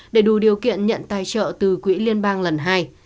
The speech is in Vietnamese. để đủ điều kiện nhận tài trợ từ quốc gia